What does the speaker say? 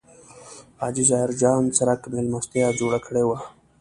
حاجي ظاهر جان څرک مېلمستیا جوړه کړې وه.